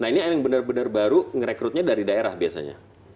nah ini yang benar benar baru ngerekrutnya dari daerah biasanya